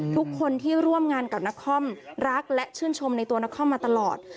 ทุกคนที่ร่วมงานกับนักคล่อมรักและชื่นชมในตัวนักคล่อมมาตลอด